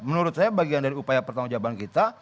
menurut saya bagian dari upaya pertanggung jawaban kita